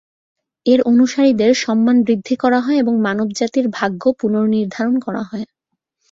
এর অনুসারীদের সম্মান বৃদ্ধি করা হয় এবং মানবজাতির ভাগ্য পুনর্নির্ধারণ করা হয়।